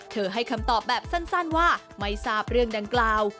ให้คำตอบแบบสั้นว่าไม่ทราบเรื่องดังกล่าว